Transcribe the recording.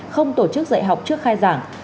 không tổ chức dạy học trước khai giảng